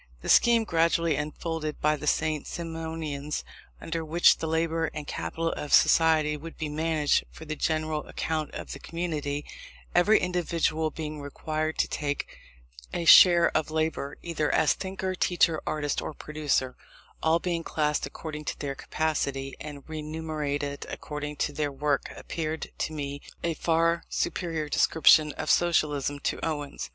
The scheme gradually unfolded by the St. Simonians, under which the labour and capital of society would be managed for the general account of the community, every individual being required to take a share of labour, either as thinker, teacher, artist, or producer, all being classed according to their capacity, and remunerated according to their work, appeared to me a far superior description of Socialism to Owen's.